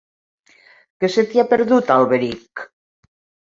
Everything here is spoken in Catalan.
Què se t'hi ha perdut, a Alberic?